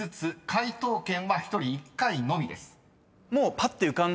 解答権は１人１回のみです］